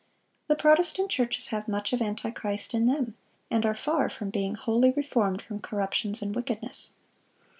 The Protestant churches have much of antichrist in them, and are far from being wholly reformed from ... corruptions and wickedness."